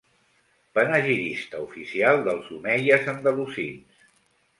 Panegirista oficial dels omeies andalusins.